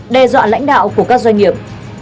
đe dọa lãnh đạo của các doanh nghiệp